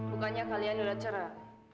bukannya kalian udah cerah